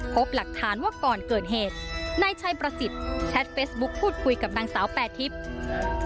พบหลักฐานว่าก่อนเกิดเหตุนายชัยประสิทธิ์แชทเฟสบุ๊คพูดคุยกับนางสาวแปรทิพย์